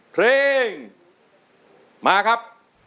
เพลงมาครับ